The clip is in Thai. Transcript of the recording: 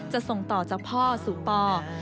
ส่งต่อจากพ่อสู่ป